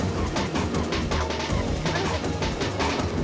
mereka mau ngajar kita deh